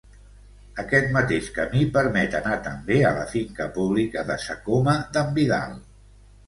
Aquest mateix camí permet anar també a la finca pública de Sa Coma d'en Vidal.